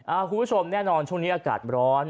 คุณผู้ชมแน่นอนช่วงนี้อากาศร้อน